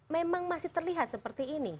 memang masih terlihat seperti ini